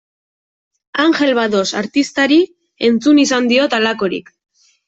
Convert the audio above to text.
Angel Bados artistari entzun izan diot halakorik.